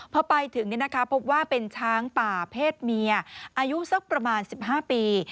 พอไปถึงพบว่าเป็นช้างป่าเพศเมียอายุสักประมาณ๑๕ปี